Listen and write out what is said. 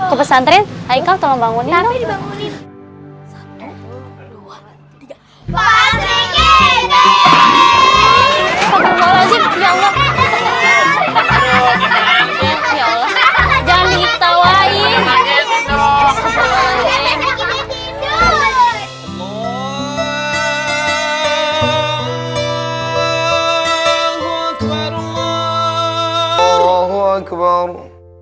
ke pesantren haikal tolong bangunin dong